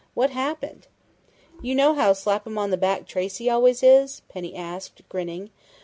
"What happened?" "You know how slap em on the back Tracey always is?" Penny asked, grinning.